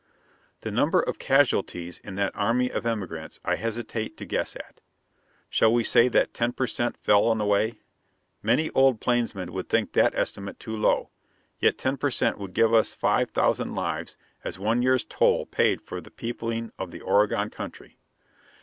The number of casualties in that army of emigrants I hesitate to guess at. Shall we say that ten per cent fell on the way? Many old plainsmen would think that estimate too low; yet ten per cent would give us five thousand lives as one year's toll paid for the peopling of the Oregon Country.